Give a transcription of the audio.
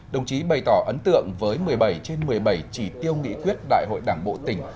đồng chí bày tỏ ấn tượng với một mươi bảy trên một mươi bảy chỉ tiêu nghị quyết đại hội đảng bộ tỉnh